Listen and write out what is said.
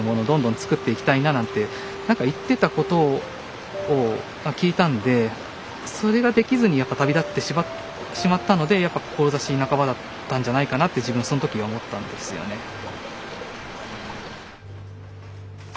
どんどん作っていきたいななんて何か言ってたことを聞いたんでそれができずにやっぱ旅立ってしまったのでやっぱ志半ばだったんじゃないかなって自分はその時思ったんですよね。